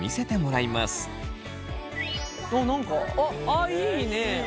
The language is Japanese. あいいね。